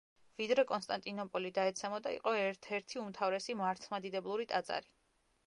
ვიდრე კონსტანტინოპოლი დაეცემოდა იყო ერთ-ერთი უმთავრესი მართლმადიდებლური ტაძარი.